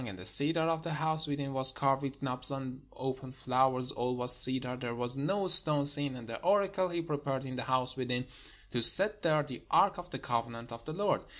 And the cedar of the house within was carved with knops and open flowers : all was cedar ; there was no stone seen. And the oracle he prepared in the house within, to set there the ark of the covenant of the Lord.